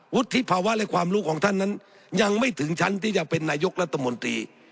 วุฒิภาวะและความรู้ของท่านนั้นยังไม่ถึงชั้นที่จะเป็นนายกรัฐมนตรี